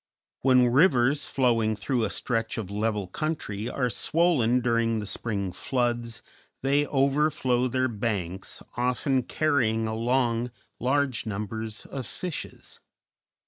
When rivers flowing through a stretch of level country are swollen during the spring floods, they overflow their banks, often carrying along large numbers of fishes.